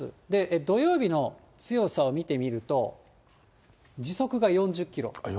土曜日の強さを見てみると、時速が４０キロ。